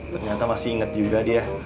ternyata masih inget juga